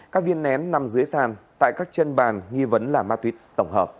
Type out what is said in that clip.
các viên nén nằm dưới sàn tại các chân bàn nghi vấn là ma túy tổng hợp